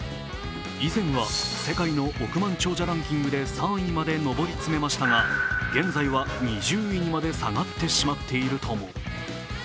以前は世界の億万長者ランキングで３位まで上り詰めましたが、現地は２０位にまで下がってしまっているとも。